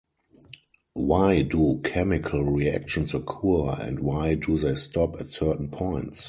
Why do chemical reactions occur, and why do they stop at certain points?